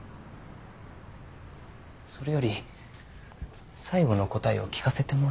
それより最後の答えを聞かせてもらおう。